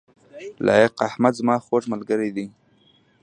لائق احمد زما خوږ ملګری دی